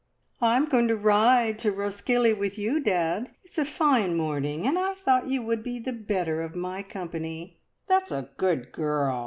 "I'm going to ride to Roskillie with you, dad! It's a fine morning, and I thought you would be the better of my company." "That's a good girl!"